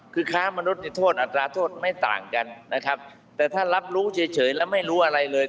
คือค้ามนุษย์โทษอัตราโทษไม่ต่างกันนะครับแต่ถ้ารับรู้เฉยแล้วไม่รู้อะไรเลย